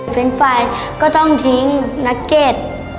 เป็นไฟล์ก็ต้องทิ้งนักเก็ต